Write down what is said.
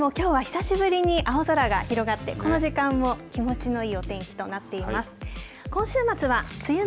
大阪市内もきょうは久しぶりに青空が広がってこの時間も気持ちのいいお天気となっています。